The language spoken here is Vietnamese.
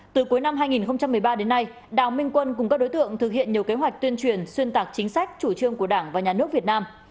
từ cuối năm hai nghìn một mươi ba đến nay đào minh quân cùng các đối tượng thực hiện nhiều kế hoạch tuyên truyền xuyên tạc chính sách chủ trương của đảng và nhà nước việt nam